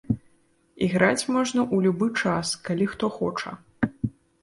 Іграць можна ў любы час, калі хто хоча.